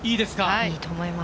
いいと思います。